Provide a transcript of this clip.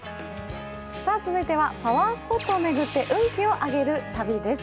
続いてはパワースポットを巡って運気を上げるたびです。